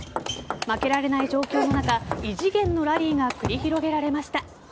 負けられない状況の中異次元のラリーが繰り広げられました。